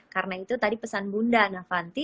karena itu tadi pesan bunda nia fanti